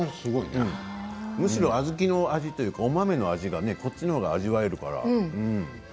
むしろ小豆の味、お豆の味がこっちのほうが味わえるから。